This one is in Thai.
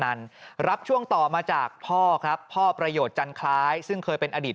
นี่ในระยะเวลาไม่กี่ปีนี่ก็จะมีภาพถ่ายออกมาเยอะมากนะครับ